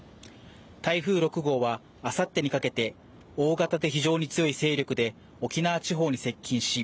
台風６号はあさってにかけて大型で非常に強い勢力で沖縄地方に接近し